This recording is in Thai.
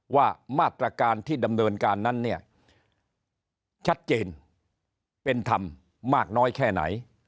ว่ามาตรการที่ดำเนินการนั้นเนี่ยชัดเจนเป็นธรรมมากน้อยแค่ไหน